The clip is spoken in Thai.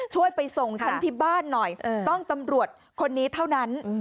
ไปส่งฉันที่บ้านหน่อยต้องตำรวจคนนี้เท่านั้น